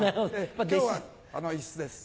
今日は椅子です。